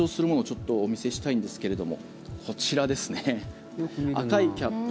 ちょっとお見せしたいんですがこちらですね。